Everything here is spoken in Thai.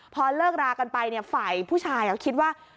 พอเลิกรากันไปฝ่ายผู้ชายคิดว่า